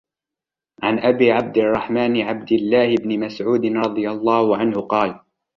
عنْ أبي عبدِ الرَّحمنِ عبدِ اللهِ بنِ مسعودٍ رَضِي اللهُ عَنْهُ قالَ: